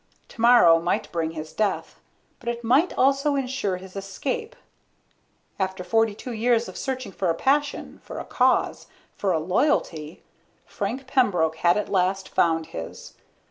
Tomorrow might bring his death, but it might also ensure his escape. After forty two years of searching for a passion, for a cause, for a loyalty, Frank Pembroke had at last found his.